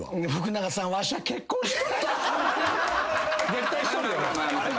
絶対しとるよ。